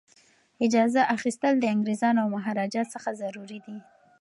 اجازه اخیستل د انګریزانو او مهاراجا څخه ضروري دي.